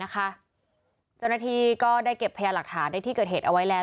เจ้าหน้าที่ก็ได้เก็บพยาหลักฐานในที่เกิดเหตุเอาไว้แล้ว